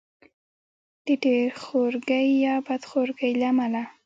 د ډېر خورګۍ یا بد خورګۍ له امله.